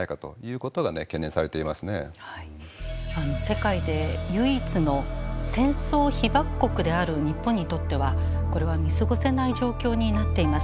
世界で唯一の戦争被爆国である日本にとってはこれは見過ごせない状況になっています。